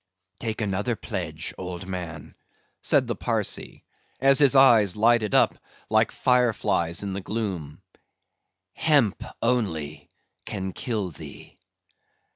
"Take another pledge, old man," said the Parsee, as his eyes lighted up like fire flies in the gloom—"Hemp only can kill thee."